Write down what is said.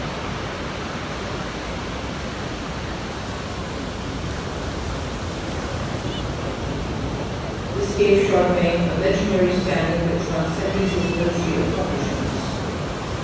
This gave Charlemagne a legendary standing that transcended his military accomplishments.